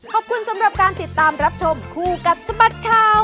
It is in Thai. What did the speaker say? ขอบคุณสำหรับการติดตามรับชมคู่กับสบัดข่าว